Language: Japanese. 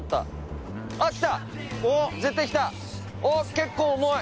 結構重い。